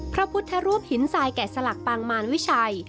พระพุทธรูปหินทรายแก่สลักปางมารวิชัย